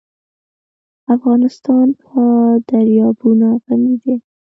افغانستان په دریابونه غني دی.